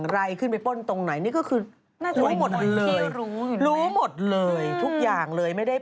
แรนดอม